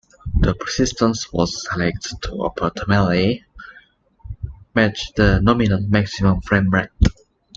The persistence was selected to optimally match the nominal maximum frame rate.